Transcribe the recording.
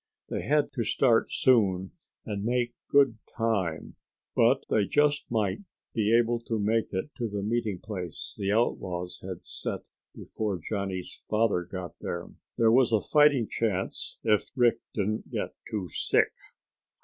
They had to start soon and make good time, but they just might be able to make it to the meeting place the outlaws had set before Johnny's father got there. There was a fighting chance if Rick didn't get too sick.